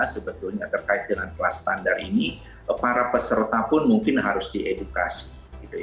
sebetulnya terkait dengan kelas standar ini para peserta pun mungkin harus diedukasi